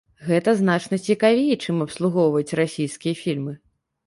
Гэта значна цікавей, чым абслугоўваць расійскія фільмы.